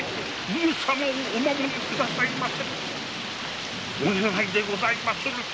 上様をお守りくださいませ！